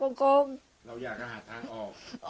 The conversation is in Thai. เราอยากอาหารทางออก